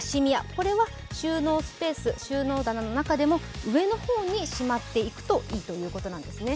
これは収納スペース収納棚の中でも上の方にしまっておくといいそうなんです。